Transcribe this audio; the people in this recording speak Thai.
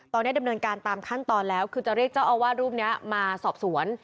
ตอนนี้ดำเนินการตามขั้นตอนแล้วคือจะเรียกเจ้าอาวาสรูปนี้มาสอบสวน